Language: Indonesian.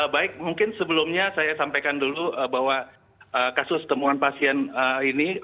baik mungkin sebelumnya saya sampaikan dulu bahwa kasus temuan pasien ini